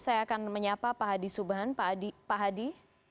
saya akan menyapa pak hadi subahan pak hadi